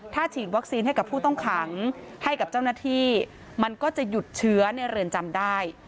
ถ้าฉีดวัคซีนให้กับผู้ต้องขังให้กับเจ้าหน้าที่มันก็จะหยุดเชื้อในเรือนจำได้